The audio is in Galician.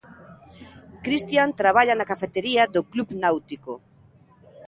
Cristian traballa na Cafetería do club náutico.